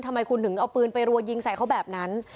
ทำไมคุณถึงเอาปืนไปรัวยิงใส่เขาแบบนั้น